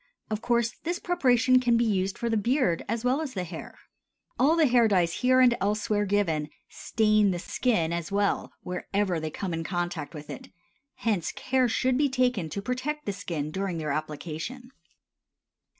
Of course, this preparation can be used for the beard as well as the hair. All the hair dyes here and elsewhere given stain the skin as well wherever they come in contact with it; hence care should be taken to protect the skin during their application.